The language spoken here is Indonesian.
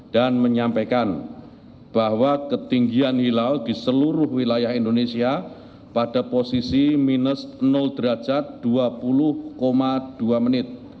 dan menyampaikan bahwa ketinggian hilal di seluruh wilayah indonesia pada posisi minus derajat dua puluh dua menit